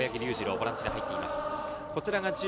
ボランチで入っています。